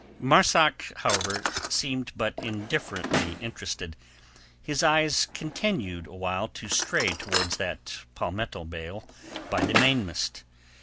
Marzak, however, seemed but indifferently interested; his eyes continued awhile to stray towards that palmetto bale by the mainmast.